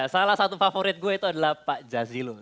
salah satu favorit gue itu adalah pak jazilul